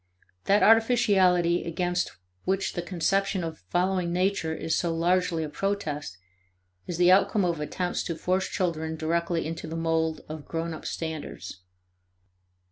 That artificiality against which the conception of following nature is so largely a protest, is the outcome of attempts to force children directly into the mold of grown up standards.